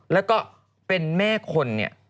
แล้วก็เป็นแม่คนเนี่ย